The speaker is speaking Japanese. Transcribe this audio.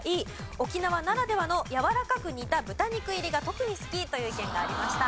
沖縄ならではのやわらかく煮た豚肉入りが特に好きという意見がありました。